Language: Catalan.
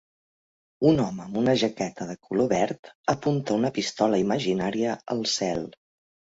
Un home amb una jaqueta de color verd apunta una pistola imaginària al cel.